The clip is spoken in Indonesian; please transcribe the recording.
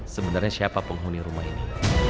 sebenarnya siapa penghuni rumah ini